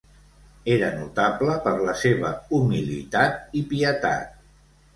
Era notable per la seva humilitat i pietat.